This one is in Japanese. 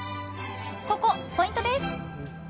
ここ、ポイントです。